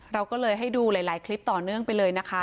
เราก็เลยให้ดูหลายคลิปต่อเนื่องไปเลยนะคะ